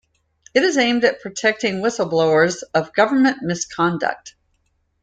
It is aimed at protecting whistleblowers of government misconduct.